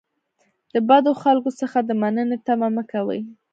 د بدو خلکو څخه د مننې تمه مه کوئ.